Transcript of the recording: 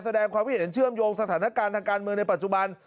แสดงความคิดเห็นเชื่อมโยงสถานการณ์ทางการเมืองในปัจจุบัน